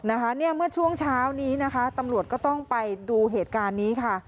นะคะเนี่ยเมื่อช่วงเช้านี้นะคะตำรวจก็ต้องไปดูเหตุการณ์นี้ค่ะ